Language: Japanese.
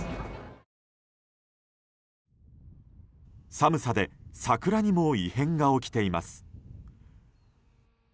寒さで桜にも異変が起きています。